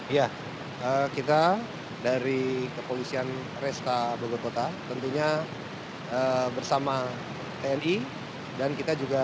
iya kita dari kepolisian resta bogor kota tentunya bersama tni dan kita juga